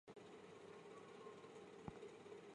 国会唱片让这首歌在他们官方网站上免费下载。